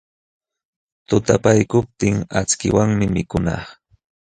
Tutaykuqluptin akchiwanmi mikuna.